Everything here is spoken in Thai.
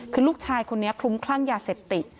คือลูกชายคนนี้คลุ้มคลั่งยาเสพติด